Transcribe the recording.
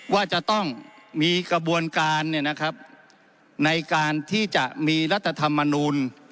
ว่าจะต้องมีกระบวนการในการที่จะมีรัฐธรรมนูล